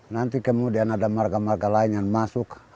nanti kemudian ada warga warga lain yang masuk